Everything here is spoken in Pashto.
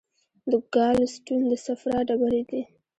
د ګال سټون د صفرا ډبرې دي.